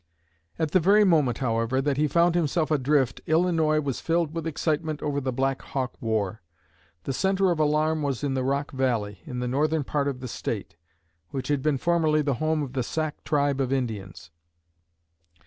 At the very moment, however, that he found himself adrift Illinois was filled with excitement over the Black Hawk War. The centre of alarm was in the Rock Valley, in the northern part of the State, which had been formerly the home of the Sac tribe of Indians.